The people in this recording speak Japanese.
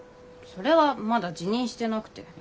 それはまだ自認してなくて。